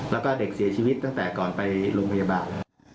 แล้วก็เด็กเสียชีวิตตั้งแต่ก่อนไปโรงพยาบาล